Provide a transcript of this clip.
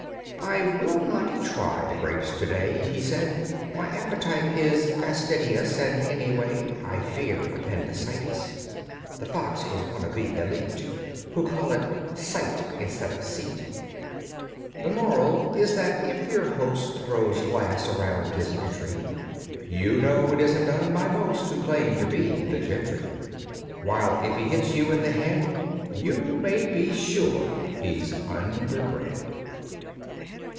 "I will not try the grapes to day," He said. "My appetite is Fastidious, and, anyway, I fear appendicitis." (The fox was one of the elite Who call it site instead of seet.) The moral is that if your host Throws glass around his entry You know it isn't done by most Who claim to be the gentry, While if he hits you in the head You may be sure he's underbred.